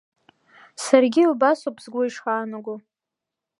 Саргьы убасоуп сгәы ишаанаго…